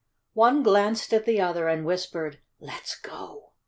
One glanced at the other, and whispered, "Let's go."